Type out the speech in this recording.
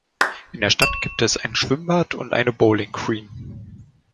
In der Stadt gibt es ein Schwimmbad und eine Bowling Green.